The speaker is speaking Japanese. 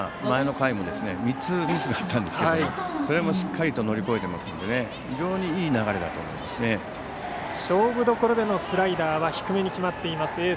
前の回も３つミスがあったんですがそれもしっかりと乗り越えていますので勝負どころでのスライダー低めに決まっています